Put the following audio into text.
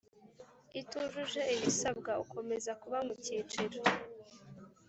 itujuje ibisabwa ukomeza kuba mu cyiciro